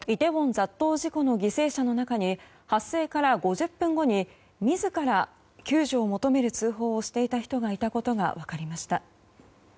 雑踏事故の犠牲者の中に発生から５０分後に自ら救助を求める通報をしていた人がいたことが分かりました。